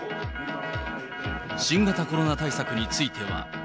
新型コロナ対策については。